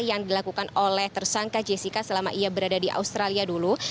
yang dilakukan oleh tersangka jessica selama ia berada di australia dulu